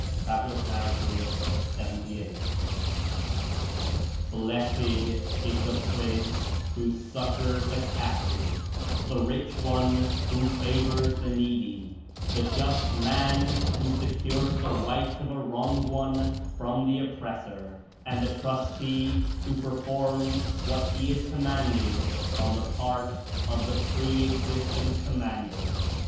(T.N. 78.) "Blessed is the prince who succors a captive, the rich one who fa\ors the needy, the just man who se cures the right of a wronged one from the oppressor, and the trustee who performs what he is commanded on the part of the Pre existent Commander."